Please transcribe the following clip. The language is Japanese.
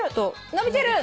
伸びてる！